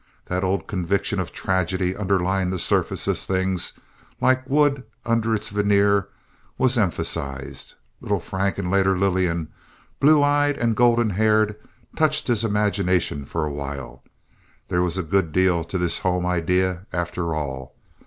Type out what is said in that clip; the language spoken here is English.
That old conviction of tragedy underlying the surface of things, like wood under its veneer, was emphasized. Little Frank, and later Lillian, blue eyed and golden haired, touched his imagination for a while. There was a good deal to this home idea, after all.